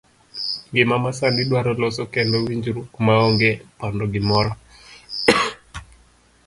Ngima ma sani dwaro loso kendo winjruok maonge pando gimoro.